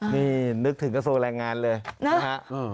นี่นึกถึงกระทรวงแรงงานเลยนะฮะ